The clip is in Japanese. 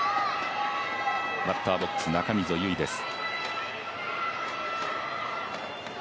バッターボックス中溝優生です。